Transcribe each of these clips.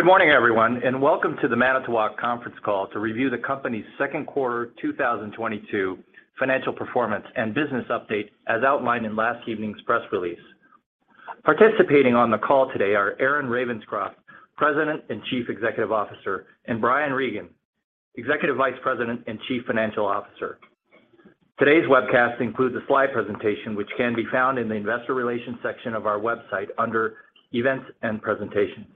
Good morning, everyone, and welcome to the Manitowoc conference call to review the company's second quarter 2022 financial performance and business update as outlined in last evening's press release. Participating on the call today are Aaron Ravenscroft, President and Chief Executive Officer, and Brian Regan, Executive Vice President and Chief Financial Officer. Today's webcast includes a slide presentation which can be found in the Investor Relations section of our website under Events and Presentations.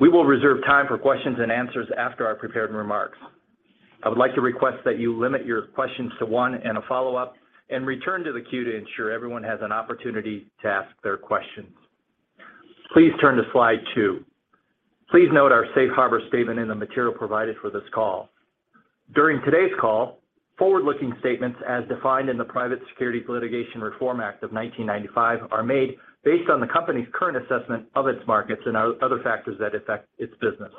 We will reserve time for questions and answers after our prepared remarks. I would like to request that you limit your questions to one and a follow-up and return to the queue to ensure everyone has an opportunity to ask their questions. Please turn to slide two. Please note our safe harbor statement in the material provided for this call. During today's call, forward-looking statements as defined in the Private Securities Litigation Reform Act of 1995 are made based on the company's current assessment of its markets and other factors that affect its business.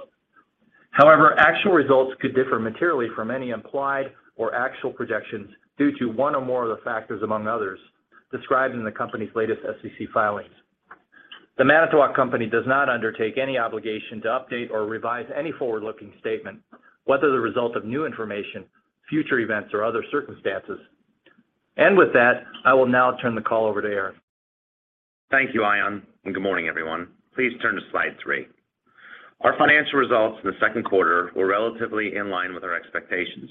However, actual results could differ materially from any implied or actual projections due to one or more of the factors, among others, described in the company's latest SEC filings. The Manitowoc Company does not undertake any obligation to update or revise any forward-looking statement, whether the result of new information, future events, or other circumstances. With that, I will now turn the call over to Aaron. Thank you, Ion, and good morning, everyone. Please turn to slide three. Our financial results in the second quarter were relatively in line with our expectations.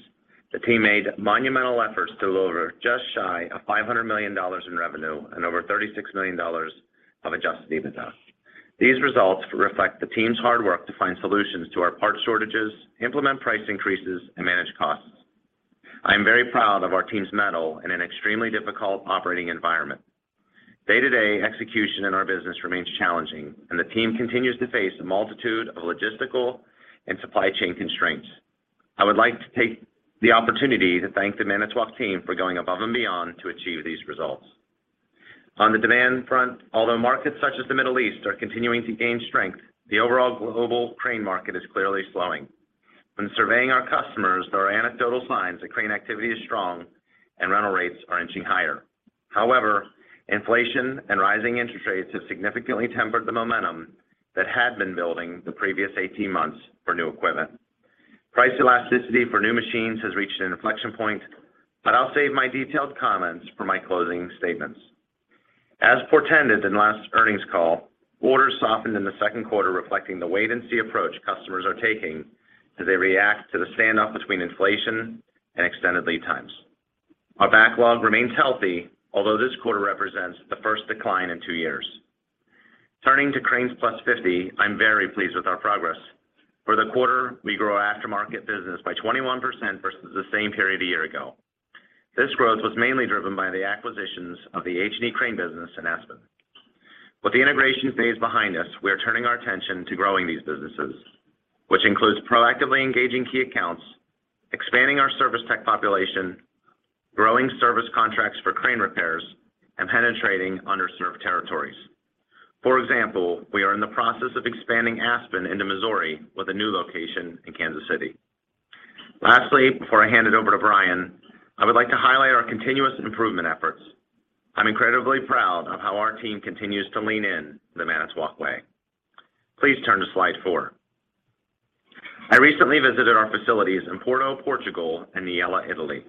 The team made monumental efforts to deliver just shy of $500 million in revenue and over $36 million of Adjusted EBITDA. These results reflect the team's hard work to find solutions to our parts shortages, implement price increases, and manage costs. I am very proud of our team's mettle in an extremely difficult operating environment. Day-to-day execution in our business remains challenging, and the team continues to face a multitude of logistical and supply chain constraints. I would like to take the opportunity to thank the Manitowoc team for going above and beyond to achieve these results. On the demand front, although markets such as the Middle East are continuing to gain strength, the overall global crane market is clearly slowing. When surveying our customers, there are anecdotal signs that crane activity is strong and rental rates are inching higher. However, inflation and rising interest rates have significantly tempered the momentum that had been building the previous 18 months for new equipment. Price elasticity for new machines has reached an inflection point, but I'll save my detailed comments for my closing statements. As portended in last earnings call, orders softened in the second quarter, reflecting the wait-and-see approach customers are taking as they react to the standoff between inflation and extended lead times. Our backlog remains healthy, although this quarter represents the first decline in two years. Turning to CRANES+50, I'm very pleased with our progress. For the quarter, we grew our aftermarket business by 21% versus the same period a year ago. This growth was mainly driven by the acquisitions of the H&E crane business and Aspen Equipment Company. With the integration phase behind us, we are turning our attention to growing these businesses, which includes proactively engaging key accounts, expanding our service tech population, growing service contracts for crane repairs, and penetrating underserved territories. For example, we are in the process of expanding Aspen into Missouri with a new location in Kansas City. Lastly, before I hand it over to Brian, I would like to highlight our continuous improvement efforts. I'm incredibly proud of how our team continues to lean in to the Manitowoc Way. Please turn to slide four. I recently visited our facilities in Porto, Portugal, and Niella, Italy.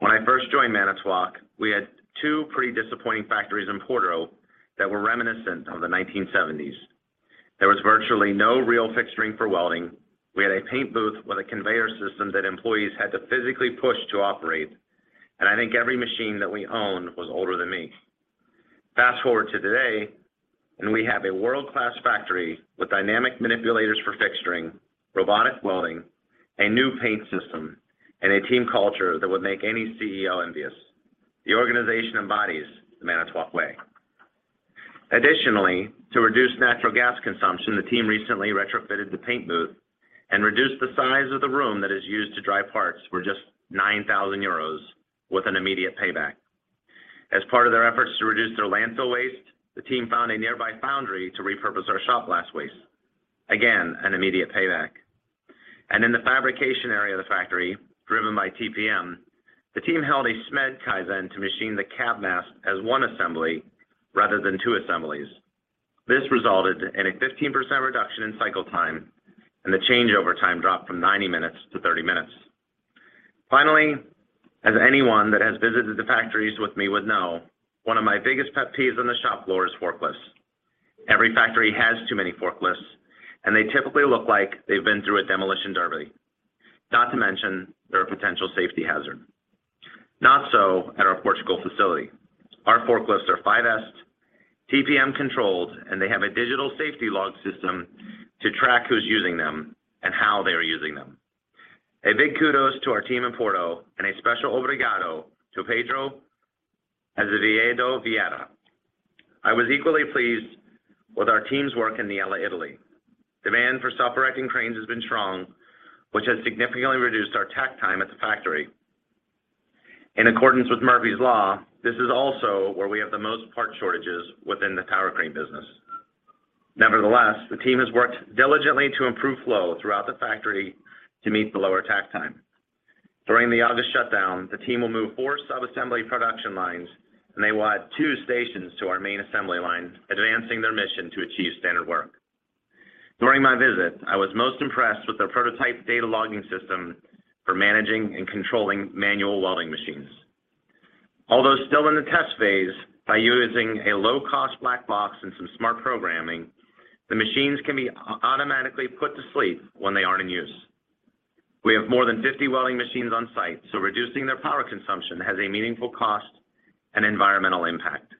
When I first joined Manitowoc, we had two pretty disappointing factories in Porto that were reminiscent of the 1970s. There was virtually no real fixturing for welding. We had a paint booth with a conveyor system that employees had to physically push to operate, and I think every machine that we owned was older than me. Fast-forward to today, and we have a world-class factory with dynamic manipulators for fixturing, robotic welding, a new paint system, and a team culture that would make any CEO envious. The organization embodies the Manitowoc Way. Additionally, to reduce natural gas consumption, the team recently retrofitted the paint booth and reduced the size of the room that is used to dry parts for just 9,000 euros with an immediate payback. As part of their efforts to reduce their landfill waste, the team found a nearby foundry to repurpose our shop glass waste. Again, an immediate payback. In the fabrication area of the factory, driven by TPM, the team held a SMED Kaizen to machine the cab mast as one assembly rather than two assemblies. This resulted in a 15% reduction in cycle time, and the changeover time dropped from 90 minutes to 30 minutes. Finally, as anyone that has visited the factories with me would know, one of my biggest pet peeves on the shop floor is forklifts. Every factory has too many forklifts, and they typically look like they've been through a demolition derby. Not to mention, they're a potential safety hazard. Not so at our Portugal facility. Our forklifts are 5S, TPM-controlled, and they have a digital safety log system to track who's using them and how they are using them. A big kudos to our team in Porto, and a special obrigado to Pedro Azevedo Vieira. I was equally pleased with our team's work in Niella, Italy. Demand for self-erecting cranes has been strong, which has significantly reduced our takt time at the factory. In accordance with Murphy's Law, this is also where we have the most parts shortages within the tower crane business. Nevertheless, the team has worked diligently to improve flow throughout the factory to meet the lower takt time. During the August shutdown, the team will move four sub-assembly production lines, and they will add two stations to our main assembly line, advancing their mission to achieve standard work. During my visit, I was most impressed with their prototype data logging system for managing and controlling manual welding machines. Although still in the test phase, by using a low-cost black box and some smart programming, the machines can be automatically put to sleep when they aren't in use. We have more than 50 welding machines on site, so reducing their power consumption has a meaningful cost and environmental impact.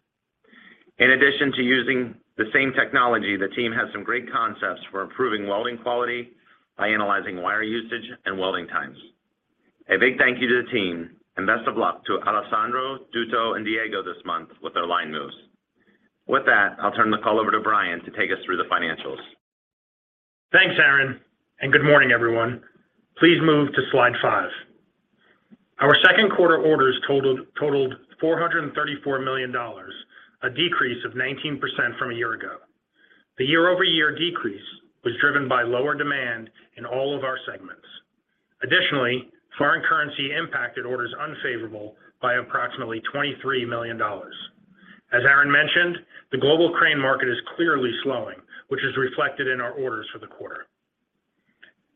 In addition to using the same technology, the team has some great concepts for improving welding quality by analyzing wire usage and welding times. A big thank you to the team, and best of luck to Alessandro, Duccio, and Diego this month with their line moves. With that, I'll turn the call over to Brian to take us through the financials. Thanks, Aaron, and good morning, everyone. Please move to slide five. Our second quarter orders totaled $434 million, a decrease of 19% from a year ago. The year-over-year decrease was driven by lower demand in all of our segments. Additionally, foreign currency impacted orders unfavorable by approximately $23 million. As Aaron mentioned, the global crane market is clearly slowing, which is reflected in our orders for the quarter.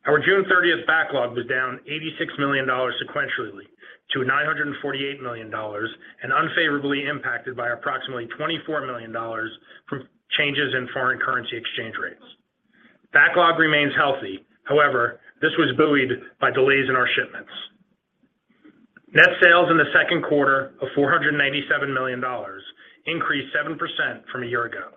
Our June 30 backlog was down $86 million sequentially to $948 million and unfavorably impacted by approximately $24 million from changes in foreign currency exchange rates. Backlog remains healthy. However, this was buoyed by delays in our shipments. Net sales in the second quarter of $497 million increased 7% from a year ago.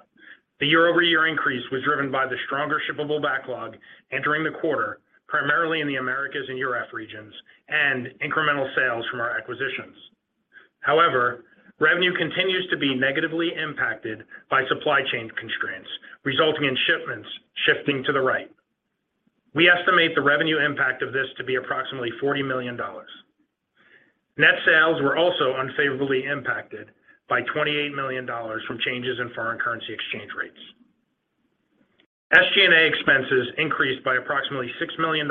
The year-over-year increase was driven by the stronger shippable backlog entering the quarter, primarily in the Americas and EURAF regions, and incremental sales from our acquisitions. However, revenue continues to be negatively impacted by supply chain constraints, resulting in shipments shifting to the right. We estimate the revenue impact of this to be approximately $40 million. Net sales were also unfavorably impacted by $28 million from changes in foreign currency exchange rates. SG&A expenses increased by approximately $6 million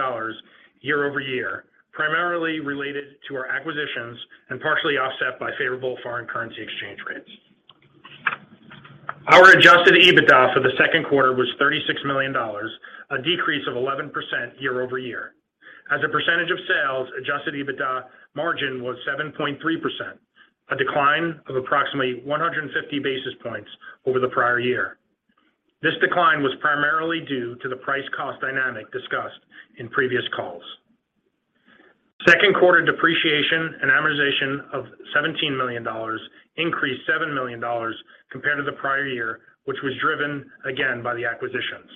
year over year, primarily related to our acquisitions and partially offset by favorable foreign currency exchange rates. Our Adjusted EBITDA for the second quarter was $36 million, a decrease of 11% year over year. As a percentage of sales, Adjusted EBITDA margin was 7.3%, a decline of approximately 150 basis points over the prior year. This decline was primarily due to the price cost dynamic discussed in previous calls. Second quarter depreciation and amortization of $17 million increased $7 million compared to the prior year, which was driven again by the acquisitions.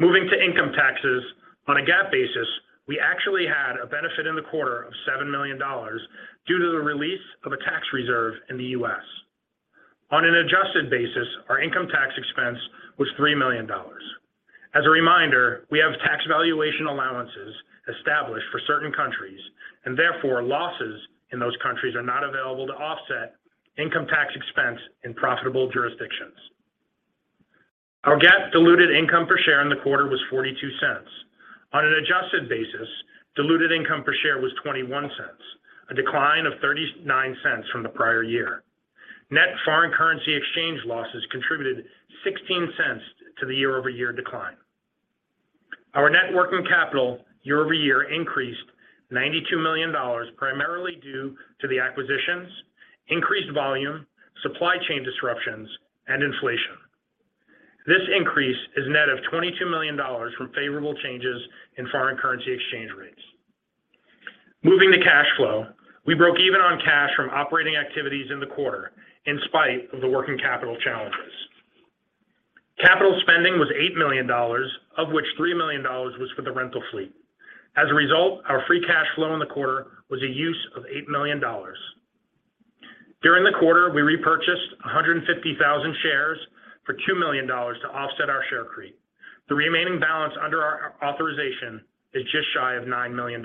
Moving to income taxes, on a GAAP basis, we actually had a benefit in the quarter of $7 million due to the release of a tax reserve in the U.S. On an adjusted basis, our income tax expense was $3 million. As a reminder, we have tax valuation allowances established for certain countries, and therefore, losses in those countries are not available to offset income tax expense in profitable jurisdictions. Our GAAP diluted income per share in the quarter was $0.42. On an adjusted basis, diluted income per share was $0.21, a decline of $0.39 from the prior year. Net foreign currency exchange losses contributed $0.16 to the year-over-year decline. Our net working capital year-over-year increased $92 million, primarily due to the acquisitions, increased volume, supply chain disruptions, and inflation. This increase is net of $22 million from favorable changes in foreign currency exchange rates. Moving to cash flow, we broke even on cash from operating activities in the quarter in spite of the working capital challenges. Capital spending was $8 million, of which $3 million was for the rental fleet. As a result, our free cash flow in the quarter was a use of $8 million. During the quarter, we repurchased 150,000 shares for $2 million to offset our share creep. The remaining balance under our authorization is just shy of $9 million.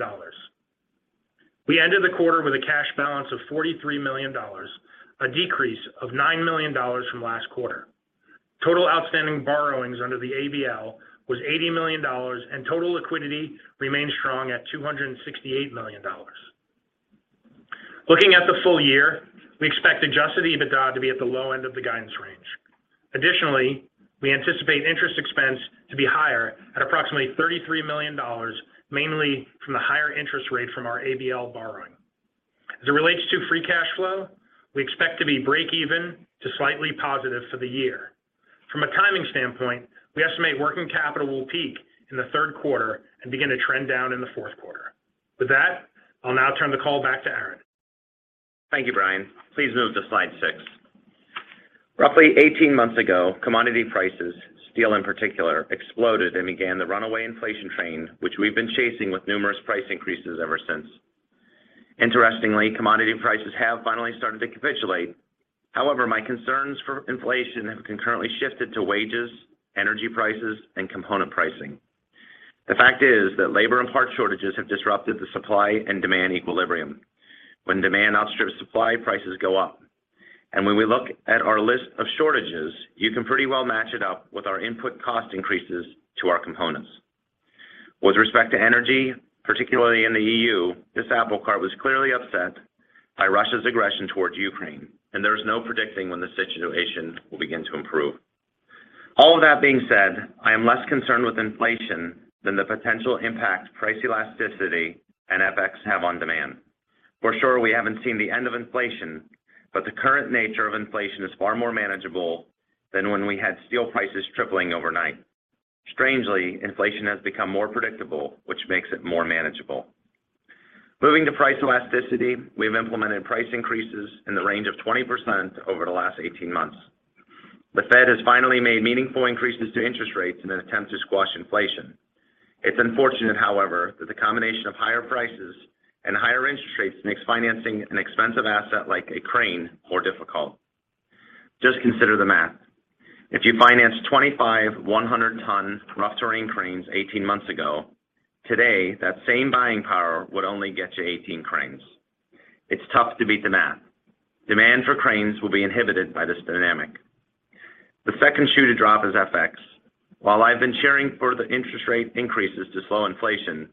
We ended the quarter with a cash balance of $43 million, a decrease of $9 million from last quarter. Total outstanding borrowings under the ABL was $80 million, and total liquidity remains strong at $268 million. Looking at the full year, we expect Adjusted EBITDA to be at the low end of the guidance range. Additionally, we anticipate interest expense to be higher at approximately $33 million, mainly from the higher interest rate from our ABL borrowing. As it relates to free cash flow, we expect to be break even to slightly positive for the year. From a timing standpoint, we estimate working capital will peak in the third quarter and begin to trend down in the fourth quarter. With that, I'll now turn the call back to Aaron. Thank you, Brian. Please move to slide six. Roughly 18 months ago, commodity prices, steel in particular, exploded and began the runaway inflation train, which we've been chasing with numerous price increases ever since. Interestingly, commodity prices have finally started to capitulate. However, my concerns for inflation have concurrently shifted to wages, energy prices, and component pricing. The fact is that labor and part shortages have disrupted the supply and demand equilibrium. When demand outstrips supply, prices go up. When we look at our list of shortages, you can pretty well match it up with our input cost increases to our components. With respect to energy, particularly in the EU, this apple cart was clearly upset by Russia's aggression towards Ukraine, and there is no predicting when the situation will begin to improve. All of that being said, I am less concerned with inflation than the potential impact price elasticity and FX have on demand. For sure, we haven't seen the end of inflation, but the current nature of inflation is far more manageable than when we had steel prices tripling overnight. Strangely, inflation has become more predictable, which makes it more manageable. Moving to price elasticity, we have implemented price increases in the range of 20% over the last 18 months. The Fed has finally made meaningful increases to interest rates in an attempt to squash inflation. It's unfortunate, however, that the combination of higher prices and higher interest rates makes financing an expensive asset like a crane more difficult. Just consider the math. If you financed 25 100-ton rough terrain cranes 18 months ago, today that same buying power would only get you 18 cranes. It's tough to beat the math. Demand for cranes will be inhibited by this dynamic. The second shoe to drop is FX. While I've been cheering for the interest rate increases to slow inflation,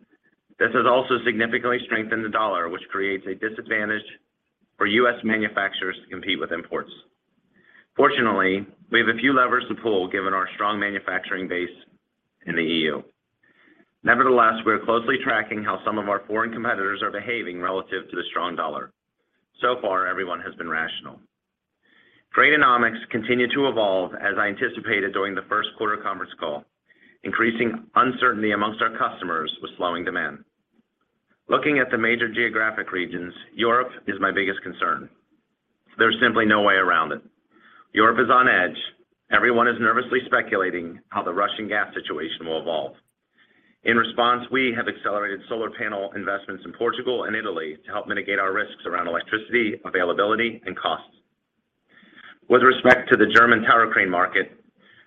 this has also significantly strengthened the U.S. dollar, which creates a disadvantage for U.S. manufacturers to compete with imports. Fortunately, we have a few levers to pull given our strong manufacturing base in the EU. Nevertheless, we are closely tracking how some of our foreign competitors are behaving relative to the strong U.S. dollar. So far, everyone has been rational. Cranenomics continue to evolve, as I anticipated during the first quarter conference call, increasing uncertainty amongst our customers with slowing demand. Looking at the major geographic regions, Europe is my biggest concern. There's simply no way around it. Europe is on edge. Everyone is nervously speculating how the Russian gas situation will evolve. In response, we have accelerated solar panel investments in Portugal and Italy to help mitigate our risks around electricity availability and costs. With respect to the German tower crane market,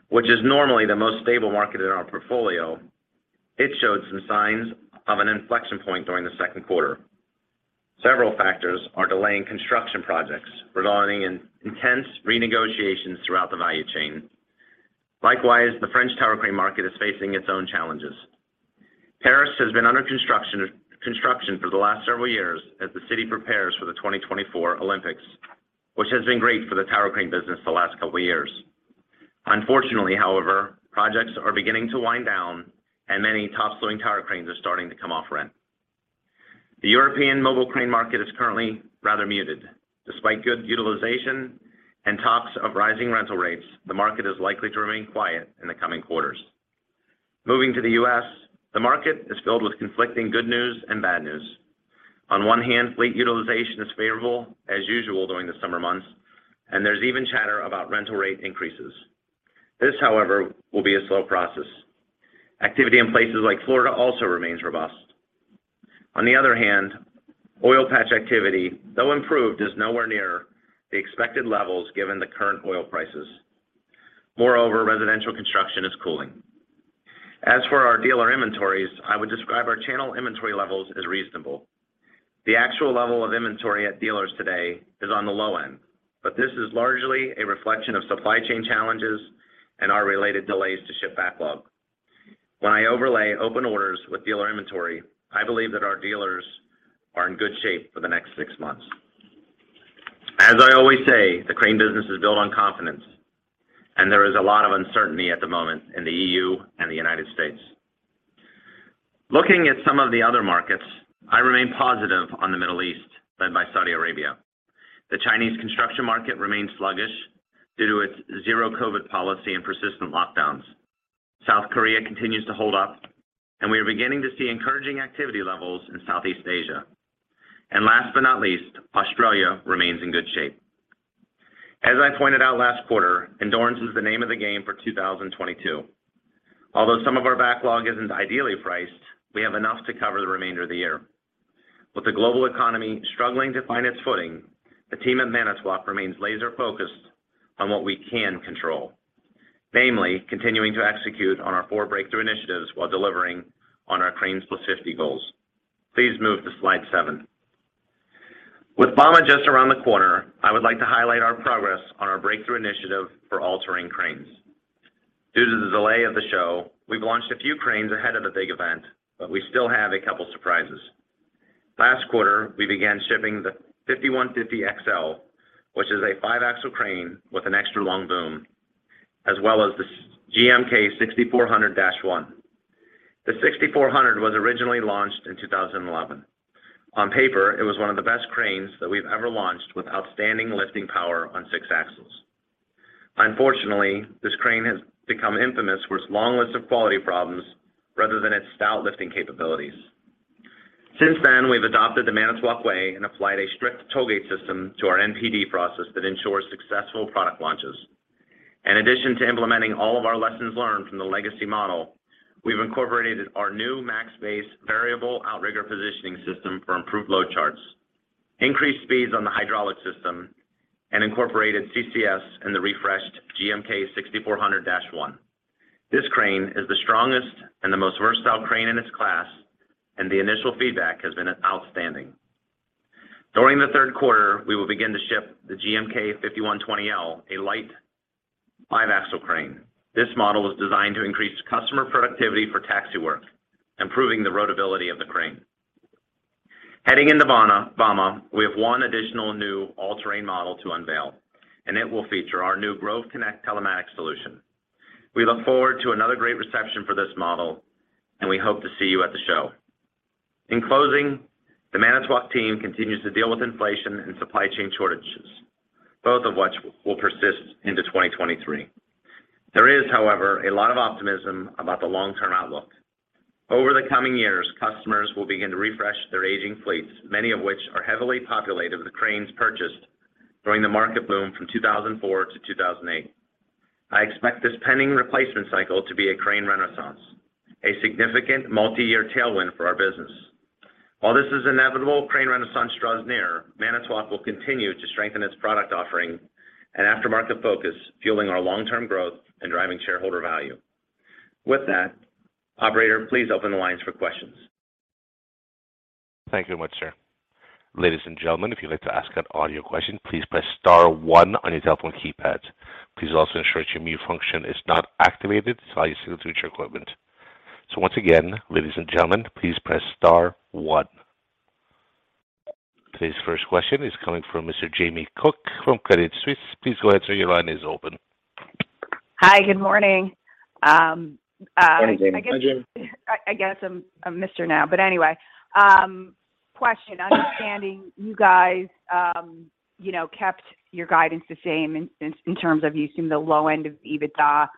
which is normally the most stable market in our portfolio, it showed some signs of an inflection point during the second quarter. Several factors are delaying construction projects, resulting in intense renegotiations throughout the value chain. Likewise, the French tower crane market is facing its own challenges. Paris has been under construction for the last several years as the city prepares for the 2024 Olympics, which has been great for the tower crane business the last couple of years. Unfortunately, however, projects are beginning to wind down and many top-slewing tower cranes are starting to come off rent. The European mobile crane market is currently rather muted. Despite good utilization and talks of rising rental rates, the market is likely to remain quiet in the coming quarters. Moving to the US, the market is filled with conflicting good news and bad news. On one hand, fleet utilization is favorable as usual during the summer months, and there's even chatter about rental rate increases. This, however, will be a slow process. Activity in places like Florida also remains robust. On the other hand, oil patch activity, though improved, is nowhere near the expected levels given the current oil prices. Moreover, residential construction is cooling. As for our dealer inventories, I would describe our channel inventory levels as reasonable. The actual level of inventory at dealers today is on the low end, but this is largely a reflection of supply chain challenges and our related delays to ship backlog. When I overlay open orders with dealer inventory, I believe that our dealers are in good shape for the next six months. As I always say, the crane business is built on confidence, and there is a lot of uncertainty at the moment in the EU and the United States. Looking at some of the other markets, I remain positive on the Middle East, led by Saudi Arabia. The Chinese construction market remains sluggish due to its zero COVID policy and persistent lockdowns. South Korea continues to hold up, and we are beginning to see encouraging activity levels in Southeast Asia. Last but not least, Australia remains in good shape. As I pointed out last quarter, endurance is the name of the game for 2022. Although some of our backlog isn't ideally priced, we have enough to cover the remainder of the year. With the global economy struggling to find its footing, the team at Manitowoc remains laser-focused on what we can control, namely continuing to execute on our four breakthrough initiatives while delivering on our CRANES+50 goals. Please move to slide seven. With bauma just around the corner, I would like to highlight our progress on our breakthrough initiative for all-terrain cranes. Due to the delay of the show, we've launched a few cranes ahead of the big event, but we still have a couple surprises. Last quarter, we began shipping the GMK5150XL, which is a five-axle crane with an extra-long boom, as well as the GMK6400-1. The 6400 was originally launched in 2011. On paper, it was one of the best cranes that we've ever launched with outstanding lifting power on six axles. Unfortunately, this crane has become infamous for its long list of quality problems rather than its stout lifting capabilities. Since then, we've adopted the Manitowoc Way and applied a strict tollgate system to our NPD process that ensures successful product launches. In addition to implementing all of our lessons learned from the legacy model, we've incorporated our new MAXbase variable outrigger positioning system for improved load charts, increased speeds on the hydraulic system, and incorporated CCS in the refreshed GMK6400-1. This crane is the strongest and the most versatile crane in its class, and the initial feedback has been outstanding. During the third quarter, we will begin to ship the GMK5120L, a light five-axle crane. This model was designed to increase customer productivity for taxi work, improving the roadability of the crane. Heading into bauma, we have one additional new all-terrain model to unveil, and it will feature our new Grove Connect telematics solution. We look forward to another great reception for this model, and we hope to see you at the show. In closing, the Manitowoc team continues to deal with inflation and supply chain shortages, both of which will persist into 2023. There is, however, a lot of optimism about the long-term outlook. Over the coming years, customers will begin to refresh their aging fleets, many of which are heavily populated with cranes purchased during the market boom from 2004 to 2008. I expect this pending replacement cycle to be a crane renaissance, a significant multiyear tailwind for our business. While this is inevitable, crane renaissance draws near, Manitowoc will continue to strengthen its product offering and aftermarket focus, fueling our long-term growth and driving shareholder value. With that, operator, please open the lines for questions. Thank you much, sir. Ladies and gentlemen, if you'd like to ask an audio question, please press star one on your telephone keypad. Please also ensure your mute function is not activated so I can hear you through your equipment. Once again, ladies and gentlemen, please press star one. Today's first question is coming from Mr. Jamie Cook from Credit Suisse. Please go ahead, sir. Your line is open. Hi. Good morning. Morning, Jamie. Hi, Jamie. I guess I'm a mister now, but anyway, question. Understanding you guys, you know, kept your guidance the same in terms of you assume the low end of EBITDA,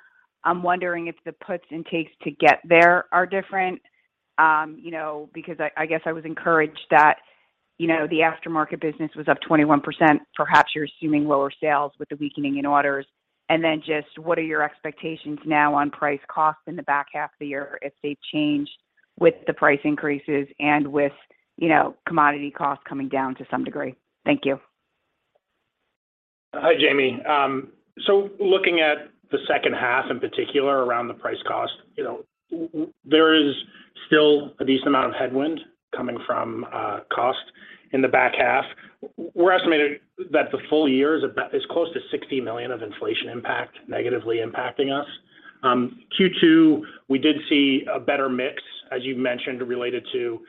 I'm wondering if the puts and takes to get there are different, you know, because I guess I was encouraged that, you know, the aftermarket business was up 21%. Perhaps you're assuming lower sales with the weakening in orders. Just what are your expectations now on price cost in the back half of the year if they've changed with the price increases and with, you know, commodity costs coming down to some degree? Thank you. Hi, Jamie. Looking at the second half in particular around the price cost, there is still a decent amount of headwind coming from cost in the back half. We're estimating that the full year is about as close to $60 million of inflation impact negatively impacting us. Q2, we did see a better mix, as you mentioned, related to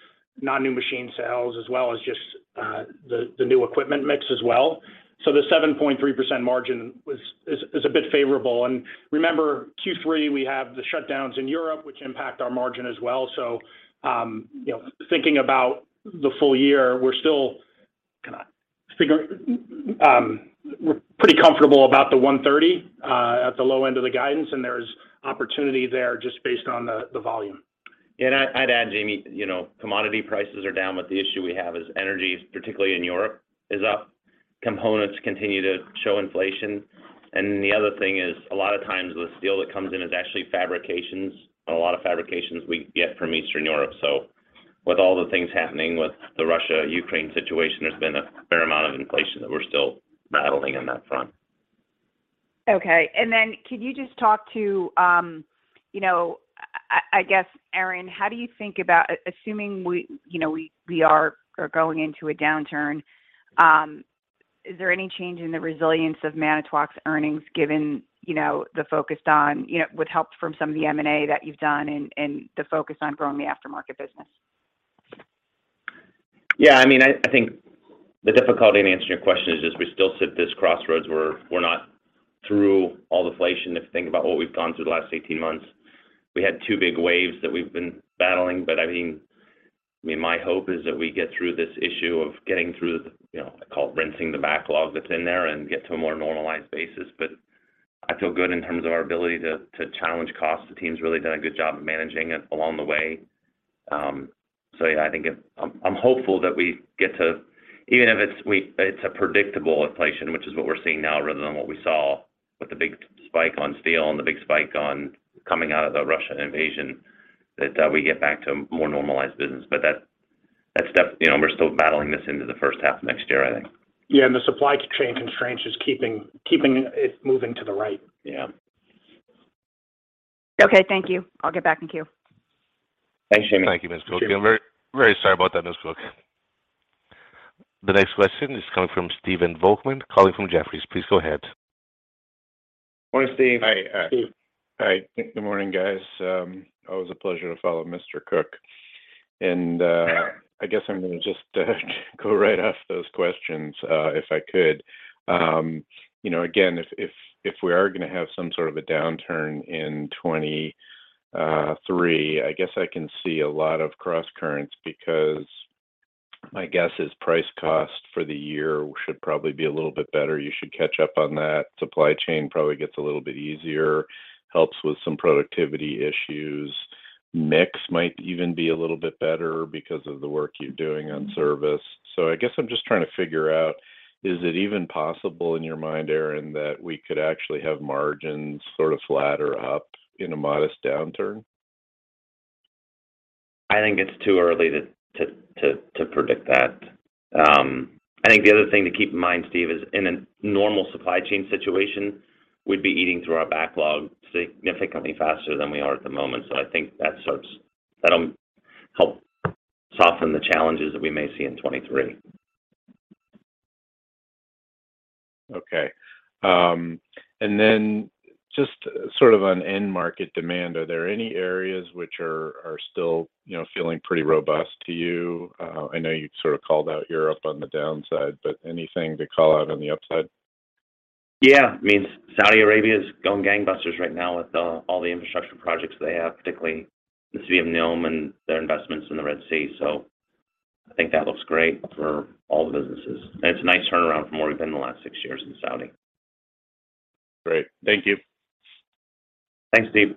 non-new machine sales as well as just the new equipment mix as well. The 7.3% margin is a bit favorable. Remember, Q3, we have the shutdowns in Europe, which impact our margin as well. Thinking about the full year, we're still pretty comfortable about the $130 million at the low end of the guidance, and there's opportunity there just based on the volume. I'd add, Jamie, you know, commodity prices are down, but the issue we have is energy, particularly in Europe, is up. Components continue to show inflation. The other thing is a lot of times the steel that comes in is actually fabrications, and a lot of fabrications we get from Eastern Europe. With all the things happening with the Russia-Ukraine situation, there's been a fair amount of inflation that we're still battling on that front. Could you just talk to, I guess, Aaron, how do you think about assuming we, you know, we are going into a downturn, is there any change in the resilience of Manitowoc's earnings given, you know, the focus on, you know, with help from some of the M&A that you've done and the focus on growing the aftermarket business? Yeah. I mean, I think the difficulty in answering your question is just we still sit at this crossroads where we're not through all the inflation. If you think about what we've gone through the last 18 months, we had two big waves that we've been battling. I mean, my hope is that we get through this issue of getting through, you know, I call it rinsing the backlog that's in there and get to a more normalized basis. I feel good in terms of our ability to challenge costs. The team's really done a good job of managing it along the way. Yeah, I think it. I'm hopeful that we get to. Even if it's a predictable inflation, which is what we're seeing now rather than what we saw with the big spike in steel and the big spike coming out of the Russian invasion, we get back to a more normalized business. But that's, you know, we're still battling this into the first half of next year, I think. Yeah. The supply chain constraints just keeping it moving to the right. Yeah. Okay. Thank you. I'll get back in queue. Thanks, Jamie. Thank you, Ms. Cook. I'm very, very sorry about that, Ms. Cook. The next question is coming from Stephen Volkmann calling from Jefferies. Please go ahead. Morning, Steve. Hi. Steve. Hi. Good morning, guys. Always a pleasure to follow Mr. Cook. I guess I'm gonna just go right off those questions, if I could. You know, again, if we are gonna have some sort of a downturn in 2023, I guess I can see a lot of crosscurrents because my guess is price cost for the year should probably be a little bit better. You should catch up on that. Supply chain probably gets a little bit easier, helps with some productivity issues. Mix might even be a little bit better because of the work you're doing on service. I guess I'm just trying to figure out, is it even possible in your mind, Aaron, that we could actually have margins sort of flat or up in a modest downturn? I think it's too early to predict that. I think the other thing to keep in mind, Steve, is in a normal supply chain situation, we'd be eating through our backlog significantly faster than we are at the moment. I think that'll help soften the challenges that we may see in 2023. Okay. Just sort of on end market demand, are there any areas which are still, you know, feeling pretty robust to you? I know you sort of called out Europe on the downside, but anything to call out on the upside? Yeah. I mean, Saudi Arabia is going gangbusters right now with all the infrastructure projects they have, particularly the city of NEOM and their investments in the Red Sea. I think that looks great for all the businesses. It's a nice turnaround from where we've been the last six years in Saudi. Great. Thank you. Thanks, Steve.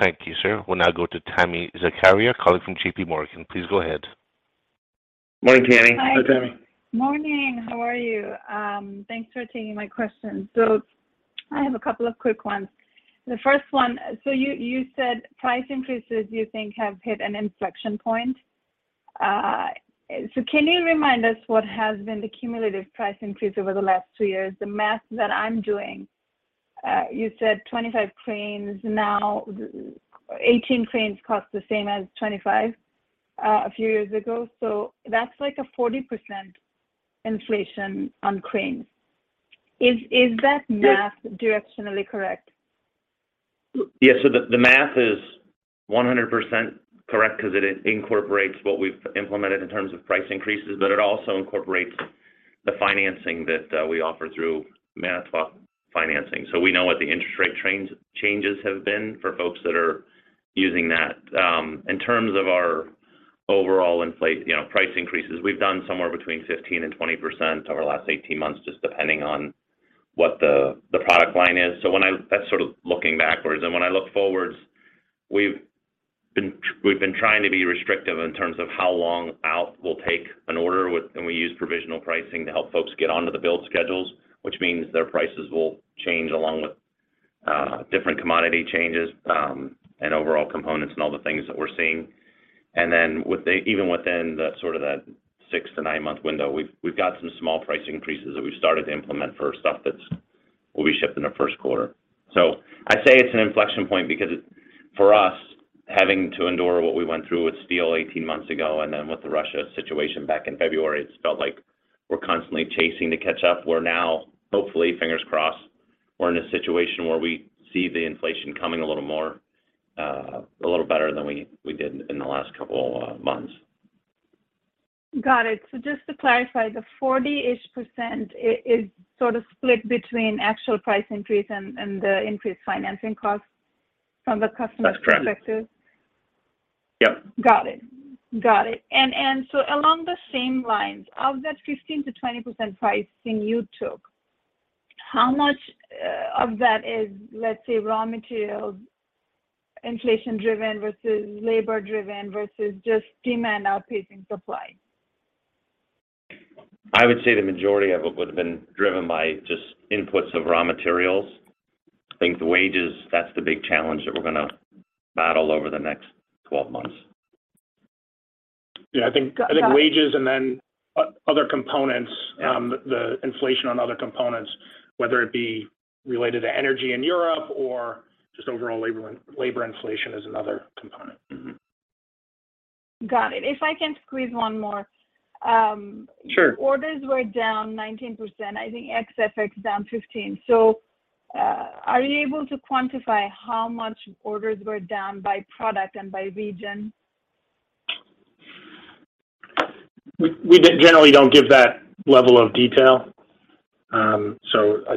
Thank you, sir. We'll now go to Tami Zakaria calling from JPMorgan. Please go ahead. Morning, Tami. Hi. Hi, Tami. Morning. How are you? Thanks for taking my questions. I have a couple of quick ones. The first one, you said price increases you think have hit an inflection point. Can you remind us what has been the cumulative price increase over the last two years? The math that I'm doing, you said 25 cranes, now 18 cranes cost the same as 25 a few years ago. That's like a 40% inflation on cranes. Is that math directionally correct? The math is 100% correct because it incorporates what we've implemented in terms of price increases, but it also incorporates the financing that we offer through Manitowoc Finance. We know what the interest rate changes have been for folks that are using that. In terms of our overall inflation, you know, price increases, we've done somewhere between 15%-20% over the last 18 months, just depending on what the product line is. That's sort of looking backwards. When I look forwards, we've been trying to be restrictive in terms of how long out we'll take an order with. We use provisional pricing to help folks get onto the build schedules, which means their prices will change along with different commodity changes, and overall components and all the things that we're seeing. Even within that six to nine month window, we've got some small price increases that we've started to implement for stuff that will be shipped in the first quarter. I say it's an inflection point because for us, having to endure what we went through with steel 18 months ago and then with the Russia situation back in February, it's felt like we're constantly chasing to catch up. We're now, hopefully, fingers crossed, in a situation where we see the inflation coming a little more, a little better than we did in the last couple months. Got it. Just to clarify, the 40-ish% is sort of split between actual price increase and the increased financing costs from the customer perspective? That's correct. Yep. Got it. Along the same lines, of that 15%-20% pricing you took, how much of that is, let's say, raw material inflation driven versus labor driven versus just demand outpacing supply? I would say the majority of it would have been driven by just inputs of raw materials. I think the wages, that's the big challenge that we're gonna battle over the next 12 months. Got, got- Yeah, I think wages and then other components, the inflation on other components, whether it be related to energy in Europe or just overall labor inflation is another component. Mm-hmm. Got it. If I can squeeze one more. Sure. Orders were down 19%. I think FX is down 15%. Are you able to quantify how much orders were down by product and by region? We generally don't give that level of detail. I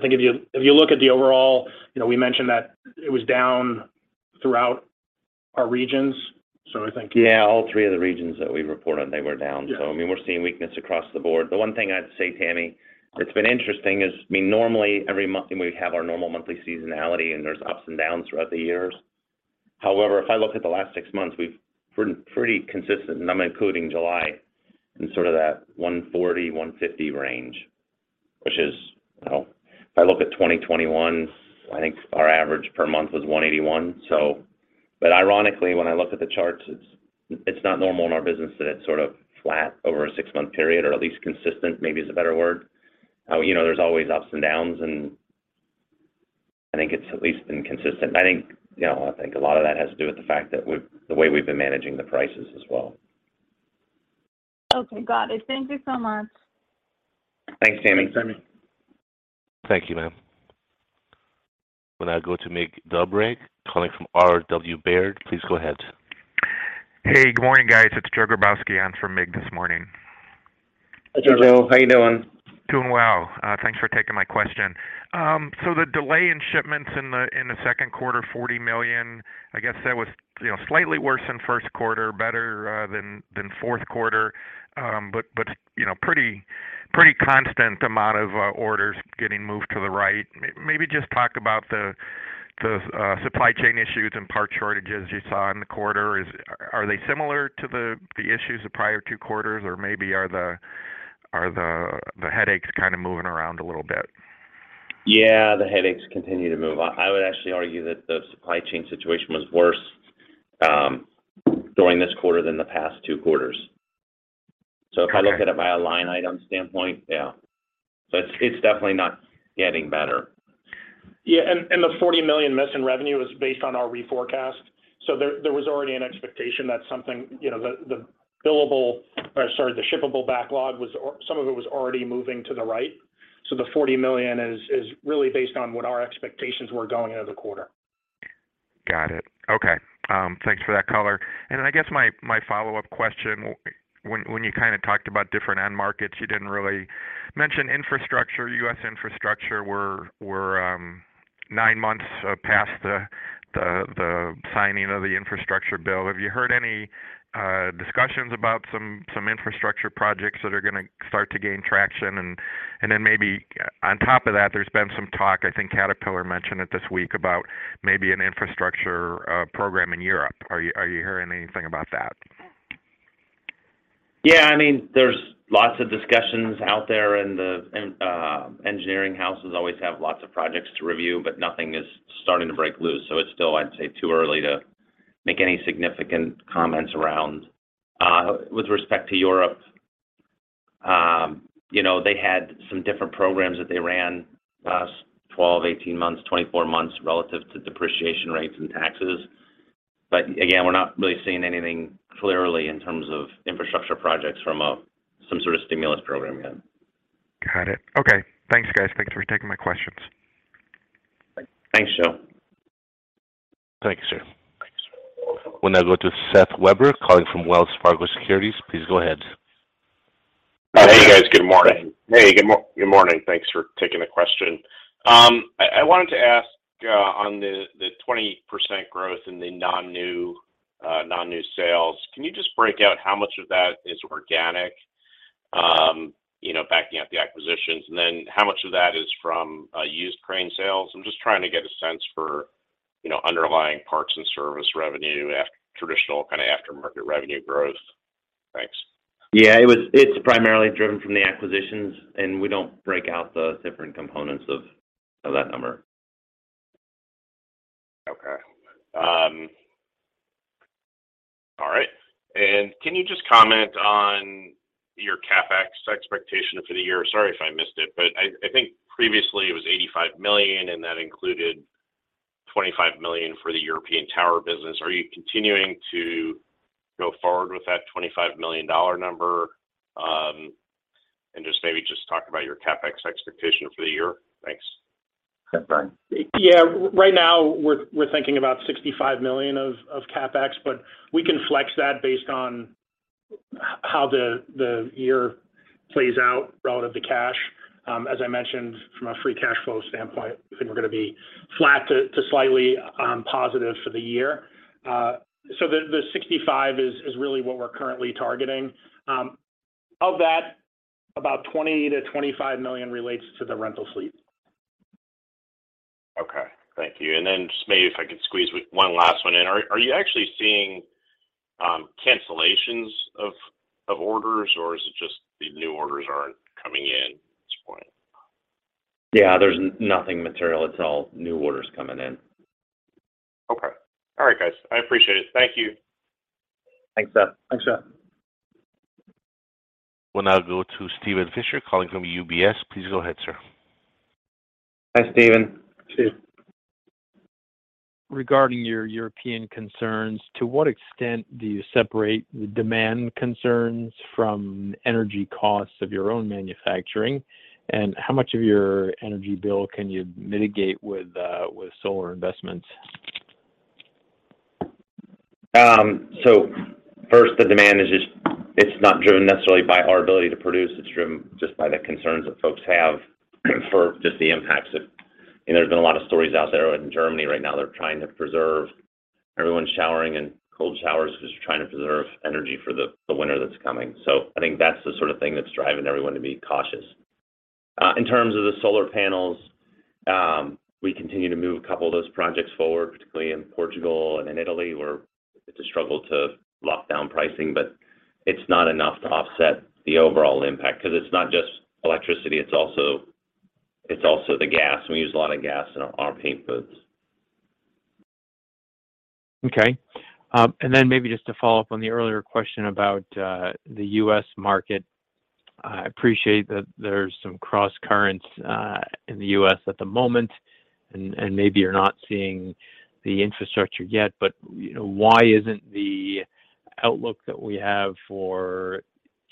think if you look at the overall, you know, we mentioned that it was down throughout our regions. I think. Yeah, all three of the regions that we reported, they were down. Yeah. I mean, we're seeing weakness across the board. The one thing I'd say, Tami, it's been interesting is, I mean, normally every month and we have our normal monthly seasonality, and there's ups and downs throughout the years. However, if I look at the last six months, we've been pretty consistent, and I'm including July, in sort of that $140-$150 range, which is. If I look at 2021, I think our average per month was $181. But ironically, when I look at the charts, it's not normal in our business that it's sort of flat over a six-month period or at least consistent, maybe is a better word. You know, there's always ups and downs, and I think it's at least been consistent. I think, you know, a lot of that has to do with the fact that the way we've been managing the prices as well. Okay. Got it. Thank you so much. Thanks, Tami. Thanks, Tami. Thank you, ma'am. We'll now go to Mircea Dobre calling from R.W. Baird. Please go ahead. Hey, good morning, guys. It's Joe Grabowski on for Mircea this morning. Hi, Joe. How you doing? Doing well. Thanks for taking my question. The delay in shipments in the second quarter, $40 million, I guess that was, you know, slightly worse than first quarter, better than fourth quarter. You know, pretty constant amount of orders getting moved to the right. Maybe just talk about the supply chain issues and part shortages you saw in the quarter. Are they similar to the issues of prior two quarters or maybe are the headaches kind of moving around a little bit? Yeah, the headaches continue to move. I would actually argue that the supply chain situation was worse during this quarter than the past two quarters. Okay. If I look at it by a line item standpoint, yeah. It's definitely not getting better. Yeah. The $40 million missing revenue is based on our reforecast. There was already an expectation that, you know, the shippable backlog, some of it was already moving to the right. The $40 million is really based on what our expectations were going into the quarter. Got it. Okay. Thanks for that color. Then I guess my follow-up question, when you kinda talked about different end markets, you didn't really mention infrastructure, U.S. infrastructure. We're nine months past the signing of the infrastructure bill. Have you heard any discussions about some infrastructure projects that are gonna start to gain traction? And then maybe on top of that, there's been some talk, I think Caterpillar mentioned it this week, about maybe an infrastructure program in Europe. Are you hearing anything about that? Yeah. I mean, there's lots of discussions out there, and the engineering houses always have lots of projects to review, but nothing is starting to break loose. It's still, I'd say, too early to make any significant comments around. With respect to Europe, you know, they had some different programs that they ran the last 12, 18 months, 24 months relative to depreciation rates and taxes. Again, we're not really seeing anything clearly in terms of infrastructure projects from some sort of stimulus program yet. Got it. Okay. Thanks, guys. Thanks for taking my questions. Thanks, Joe. Thank you, sir. Thanks. We'll now go to Seth Weber calling from Wells Fargo Securities. Please go ahead. Hey, guys. Good morning. Hey, good morning. Thanks for taking the question. I wanted to ask on the 20% growth in the non-new sales, can you just break out how much of that is organic? You know, backing out the acquisitions, and then how much of that is from used crane sales? I'm just trying to get a sense for, you know, underlying parts and service revenue traditional kinda aftermarket revenue growth. Thanks. Yeah. It's primarily driven from the acquisitions, and we don't break out the different components of that number. Okay. All right. Can you just comment on your CapEx expectation for the year? Sorry if I missed it, but I think previously it was $85 million, and that included $25 million for the European tower business. Are you continuing to go forward with that $25 million number? Just maybe talk about your CapEx expectation for the year. Thanks. Yeah. Brian? Right now we're thinking about $65 million of CapEx, but we can flex that based on how the year plays out relative to cash. As I mentioned from a free cash flow standpoint, I think we're gonna be flat to slightly positive for the year. So the $65 million is really what we're currently targeting. Of that, about $20-$25 million relates to the rental fleet. Okay. Thank you. Just maybe if I could squeeze one last one in. Are you actually seeing cancellations of orders, or is it just the new orders aren't coming in at this point? Yeah. There's nothing material. It's all new orders coming in. Okay. All right, guys. I appreciate it. Thank you. Thanks, Seth. Thanks, Seth. We'll now go to Steven Fisher calling from UBS. Please go ahead, sir. Hi, Steven. Steve. Regarding your European concerns, to what extent do you separate the demand concerns from energy costs of your own manufacturing? How much of your energy bill can you mitigate with solar investments? First, the demand is just, it's not driven necessarily by our ability to produce. It's driven just by the concerns that folks have for just the impacts of. You know, there's been a lot of stories out there. In Germany right now, everyone's showering in cold showers 'cause they're trying to preserve energy for the winter that's coming. I think that's the sort of thing that's driving everyone to be cautious. In terms of the solar panels, we continue to move a couple of those projects forward, particularly in Portugal and in Italy, where it's a struggle to lock down pricing, but it's not enough to offset the overall impact. 'Cause it's not just electricity, it's also the gas. We use a lot of gas in our paint booths. Okay. Then maybe just to follow up on the earlier question about the U.S. market. I appreciate that there's some cross currents in the U.S. at the moment and maybe you're not seeing the infrastructure yet, but you know, why isn't the outlook that we have for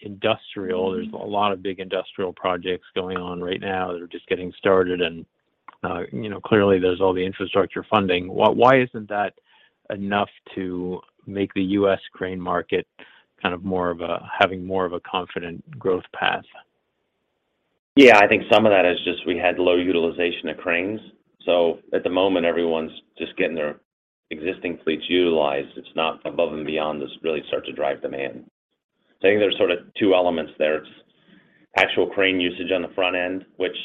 industrial. There's a lot of big industrial projects going on right now that are just getting started and you know, clearly there's all the infrastructure funding. Why isn't that enough to make the U.S. crane market kind of more of a confident growth path? Yeah. I think some of that is just we had low utilization of cranes, so at the moment everyone's just getting their existing fleets utilized. It's not above and beyond this really start to drive demand. I think there's sort of two elements there. It's actual crane usage on the front end, which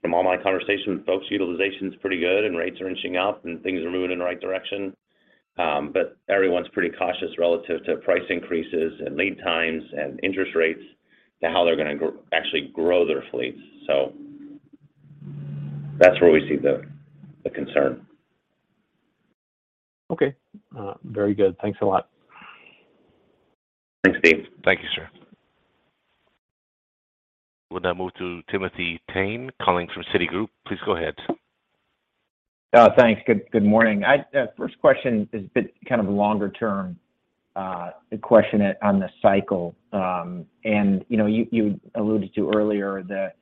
from all my conversations with folks, utilization's pretty good and rates are inching up and things are moving in the right direction. Everyone's pretty cautious relative to price increases and lead times and interest rates to how they're gonna actually grow their fleets. That's where we see the concern. Okay. Very good. Thanks a lot. Thanks, Steve. Thank you, sir. We'll now move to Timothy Thein calling from Citigroup. Please go ahead. Thanks. Good morning. First question is kind of a longer term question on the cycle. You know, you alluded to earlier that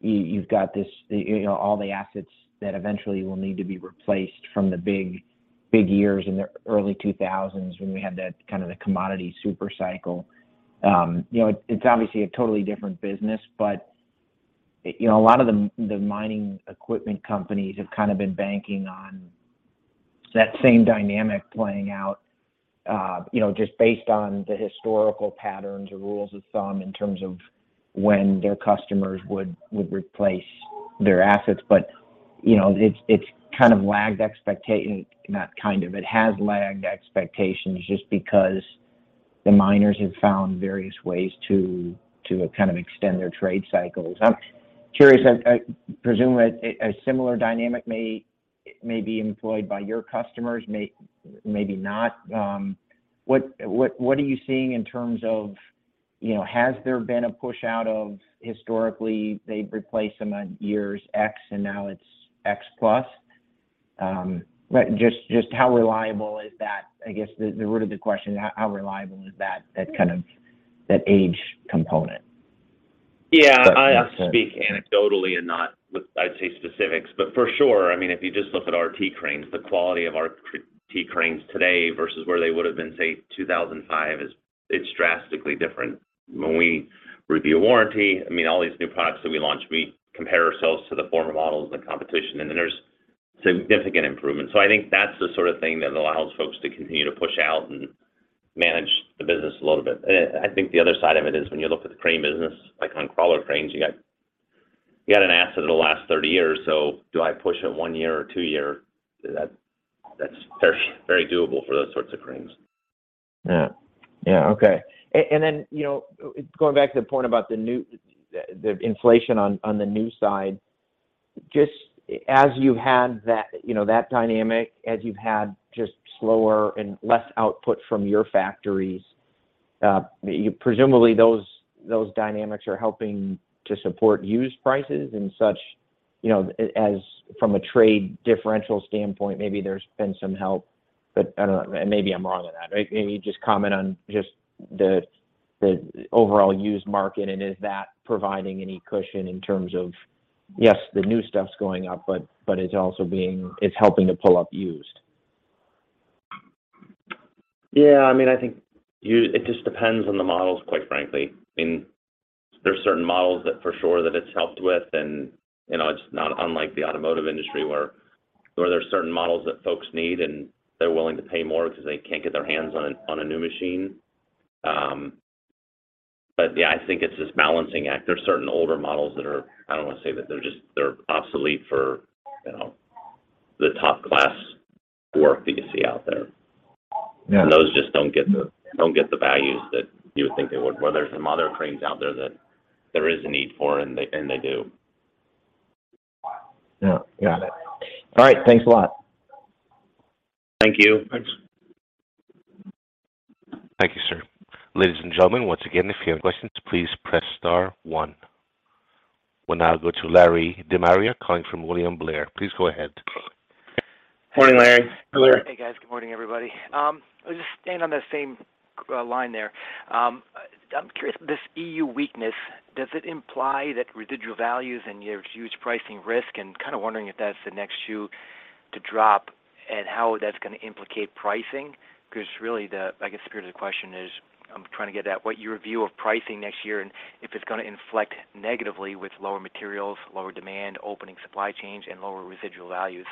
you've got this, you know, all the assets that eventually will need to be replaced from the big years in the early 2000s when we had that kind of the commodity super cycle. You know, it's obviously a totally different business, but, you know, a lot of the mining equipment companies have kind of been banking on that same dynamic playing out, you know, just based on the historical patterns or rules of thumb in terms of when their customers would replace their assets. You know, it's kind of lagged expectation. Not kind of, it has lagged expectations just because the miners have found various ways to kind of extend their trade cycles. I'm curious, I presume a similar dynamic may be employed by your customers. Maybe not. What are you seeing in terms of, you know, has there been a push out of historically they'd replace them on years X and now it's X+? Just how reliable is that? I guess the root of the question, how reliable is that kind of age component? Yeah. I have to speak anecdotally and not with, I'd say, specifics. For sure, I mean, if you just look at our AT cranes, the quality of our AT cranes today versus where they would've been, say, 2005 is drastically different. When we review a warranty, I mean, all these new products that we launch, we compare ourselves to the former models and the competition, and then there's significant improvement. I think that's the sort of thing that allows folks to continue to push out and manage the business a little bit. I think the other side of it is when you look at the crane business, like on crawler cranes, you got an asset that'll last 30 years. Do I push it one year or two year? That's very, very doable for those sorts of cranes. Yeah. Yeah. Okay. You know, going back to the point about the inflation on the new side, just as you've had that, you know, that dynamic, as you've had just slower and less output from your factories, presumably those dynamics are helping to support used prices and such, you know, as from a trade differential standpoint, maybe there's been some help, but I don't know. Maybe I'm wrong on that, right? Maybe just comment on the overall used market and is that providing any cushion in terms of, yes, the new stuff's going up, but it's also helping to pull up used. Yeah. I mean, I think it just depends on the models, quite frankly. I mean, there's certain models that for sure that it's helped with and, you know, it's not unlike the automotive industry where there's certain models that folks need, and they're willing to pay more because they can't get their hands on a new machine. Yeah, I think it's this balancing act. There's certain older models that are. I don't wanna say that they're just obsolete for, you know, the top class work that you see out there. Yeah. Those just don't get the values that you would think they would. Where there's some other cranes out there that there is a need for, and they do. Yeah. Got it. All right. Thanks a lot. Thank you. Thanks. Thank you, sir. Ladies and gentlemen, once again, if you have questions, please press star one. We'll now go to Larry DeMaria calling from William Blair. Please go ahead. Morning, Larry. Hey, Larry. Hey, guys. Good morning, everybody. Just staying on the same line there. I'm curious, this EU weakness, does it imply that residual values and your huge pricing risk and kinda wondering if that's the next shoe to drop and how that's gonna implicate pricing? Because really the, I guess, the spirit of the question is I'm trying to get at what your view of pricing next year and if it's gonna inflect negatively with lower materials, lower demand, opening supply chains, and lower residual values.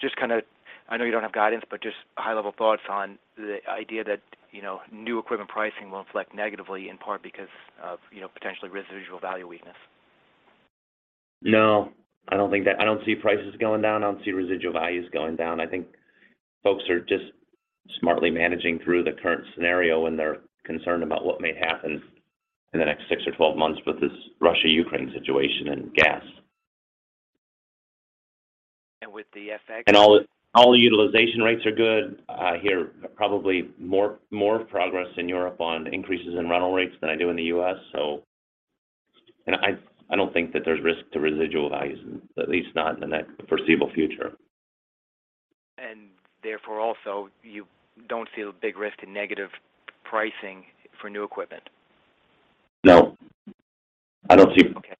Just kinda I know you don't have guidance, but just high level thoughts on the idea that, you know, new equipment pricing will inflect negatively in part because of, you know, potentially residual value weakness. No. I don't think that. I don't see prices going down. I don't see residual values going down. I think folks are just smartly managing through the current scenario, and they're concerned about what may happen in the next six or 12 months with this Russia-Ukraine situation and gas. With the FX All the utilization rates are good. I hear probably more progress in Europe on increases in rental rates than I do in the U.S. I don't think that there's risk to residual values, at least not in the near foreseeable future. Therefore, also, you don't see a big risk to negative pricing for new equipment? No. I don't see. Okay.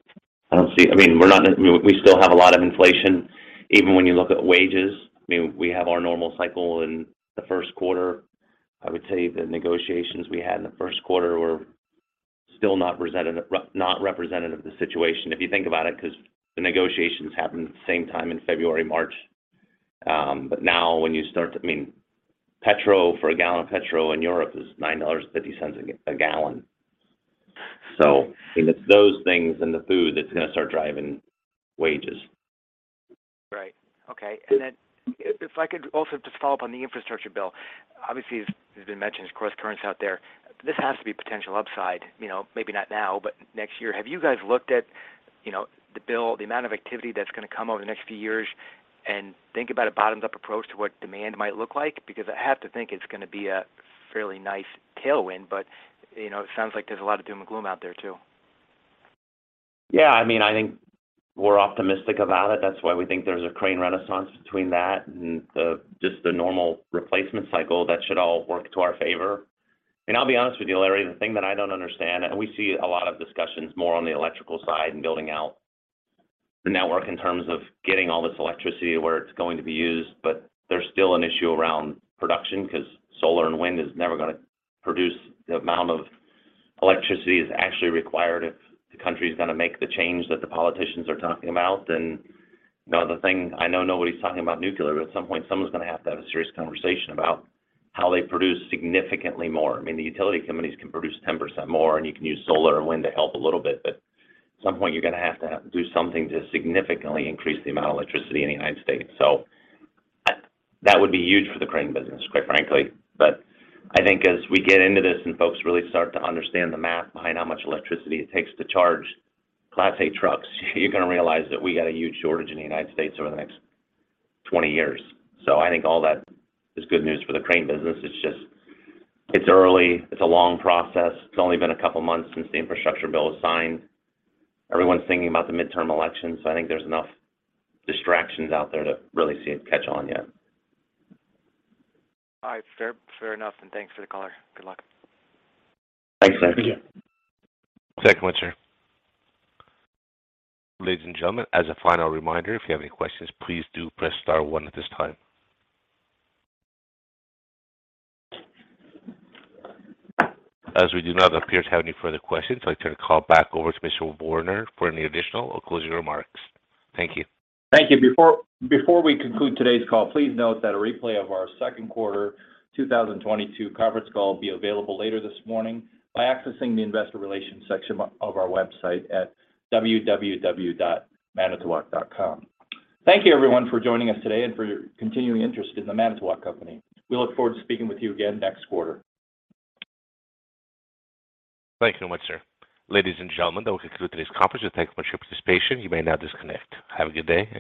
I don't see. I mean, we still have a lot of inflation even when you look at wages. I mean, we have our normal cycle in the first quarter. I would say the negotiations we had in the first quarter were still not representative of the situation. If you think about it, 'cause the negotiations happened the same time in February, March. But now, I mean, petrol, for a gallon of petrol in Europe is $9.50 a gallon. It's those things and the food that's gonna start driving wages. Right. Okay. If I could also just follow up on the infrastructure bill. Obviously, it's been mentioned, of course, concerns out there. This has to be potential upside, you know, maybe not now, but next year. Have you guys looked at, you know, the bill, the amount of activity that's gonna come over the next few years and think about a bottoms-up approach to what demand might look like? Because I have to think it's gonna be a fairly nice tailwind, but, you know, it sounds like there's a lot of doom and gloom out there too. Yeah. I mean, I think we're optimistic about it. That's why we think there's a crane renaissance between that and the, just the normal replacement cycle that should all work to our favor. I'll be honest with you, Larry, the thing that I don't understand, and we see a lot of discussions more on the electrical side and building out the network in terms of getting all this electricity where it's going to be used. There's still an issue around production 'cause solar and wind is never gonna produce the amount of electricity is actually required if the country is gonna make the change that the politicians are talking about. The thing, I know nobody's talking about nuclear, but at some point, someone's gonna have to have a serious conversation about how they produce significantly more. I mean, the utility companies can produce 10% more, and you can use solar and wind to help a little bit, but at some point, you're gonna have to do something to significantly increase the amount of electricity in the United States. That would be huge for the crane business, quite frankly. I think as we get into this and folks really start to understand the math behind how much electricity it takes to charge Class eight trucks, you're gonna realize that we got a huge shortage in the United States over the next 20 years. I think all that is good news for the crane business. It's early, it's a long process. It's only been a couple of months since the infrastructure bill was signed. Everyone's thinking about the midterm elections, so I think there's enough distractions out there to really see it catch on yet. All right. Fair enough, and thanks for the color. Good luck. Thanks. Thank you. Second one, sir. Ladies and gentlemen, as a final reminder, if you have any questions, please do press star one at this time. As we do not appear to have any further questions, I'd like to call back over to Mr. Warner for any additional or closing remarks. Thank you. Thank you. Before we conclude today's call, please note that a replay of our second quarter 2022 conference call will be available later this morning by accessing the Investor Relations section of our website at www.manitowoc.com. Thank you, everyone, for joining us today and for your continuing interest in The Manitowoc Company. We look forward to speaking with you again next quarter. Thank you very much, sir. Ladies and gentlemen, that will conclude today's conference. We thank you for your participation. You may now disconnect. Have a good day, and goodbye.